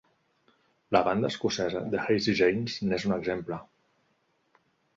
La banda escocesa The Hazey Janes n'és un exemple.